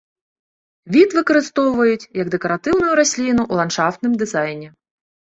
Від выкарыстоўваюць як дэкаратыўную расліну ў ландшафтным дызайне.